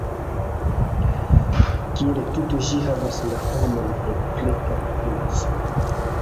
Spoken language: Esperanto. Kiel tuto ĝi havas la formon de greka kruco.